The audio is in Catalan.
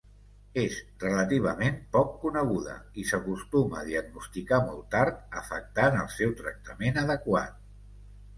És relativament poc coneguda i s'acostuma a diagnosticar molt tard, afectant el seu tractament adequat.